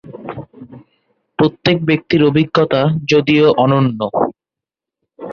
প্রত্যেক ব্যক্তির অভিজ্ঞতা, যদিও, অনন্য।